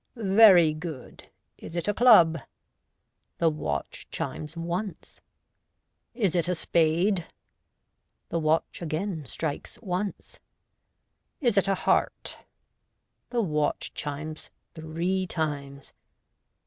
"Very good. Is it a club ?" The watch chimes once. "Is it a spade >'' The watch again strikes once. " Is it a heart ?" The watch chimes three times.